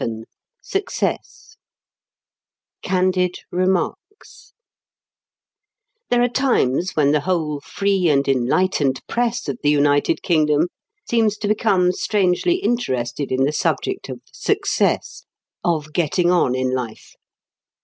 VII SUCCESS CANDID REMARKS There are times when the whole free and enlightened Press of the United Kingdom seems to become strangely interested in the subject of "success," of getting on in life.